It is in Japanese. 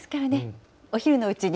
お昼のうちに。